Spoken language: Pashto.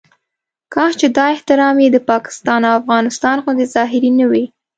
کاش چې دا احترام یې د پاکستان او افغانستان غوندې ظاهري نه وي.